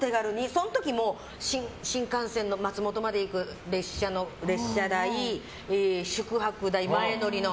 その時も新幹線の松本まで行く列車代宿泊代、前乗りの。